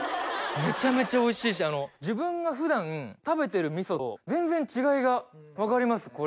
めちゃめちゃおいしいし自分が普段食べてる味噌と全然違いが分かります